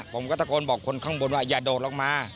ผมก็ตะโกนบอกคนข้างบนว่าอย่าโดดลงมา